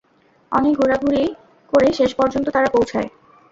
অনেক ঘুরাঘুরি করে শেষপর্যন্ত তারা পৌঁছায়।